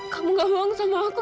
kamu gak mau sama aku